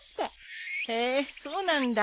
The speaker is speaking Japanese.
へえそうなんだ。